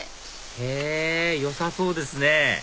へぇよさそうですね